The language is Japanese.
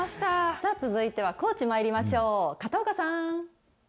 さあ続いては高知まいりましょう。